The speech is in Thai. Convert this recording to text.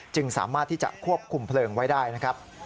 สามารถที่จะควบคุมเพลิงไว้ได้นะครับ